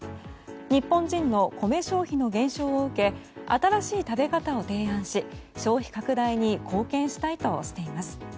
日本人の米消費の減少を受け新しい食べ方を提案し消費拡大に貢献したいとしています。